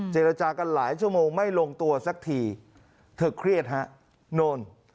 เจรจากันหลายชั่วโมงไม่ลงตัวสักทีเธอเครียดฮะโน่น